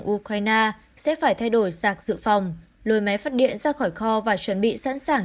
ukraine sẽ phải thay đổi sạc dự phòng lôi máy phát điện ra khỏi kho và chuẩn bị sẵn sàng